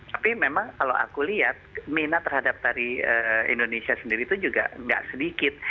tapi memang kalau aku lihat minat terhadap tari indonesia sendiri itu juga nggak sedikit